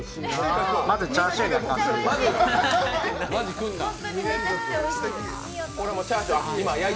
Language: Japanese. まずチャーシューを焼きます。